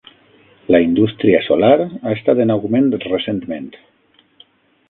La indústria solar ha estat en augment recentment.